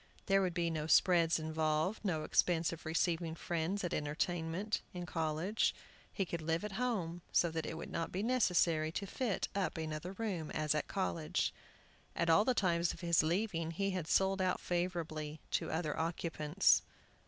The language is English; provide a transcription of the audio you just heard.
There would be no "spreads" involved; no expense of receiving friends at entertainments in college; he could live at home, so that it would not be necessary to fit up another room, as at college. At all the times of his leaving he had sold out favorably to other occupants.